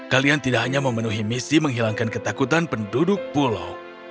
kalian tidak hanya memenuhi misi menghilangkan ketakutan penduduk pulau